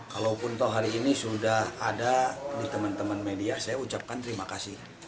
kalaupun toh hari ini sudah ada di teman teman media saya ucapkan terima kasih